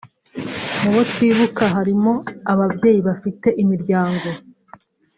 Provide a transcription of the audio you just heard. Mu bo twibuka hari mo ababyeyi bafite imiryango